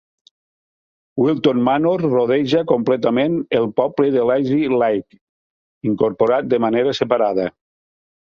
Wilton Manors rodeja completament el poble de Lazy Lake, incorporat de manera separada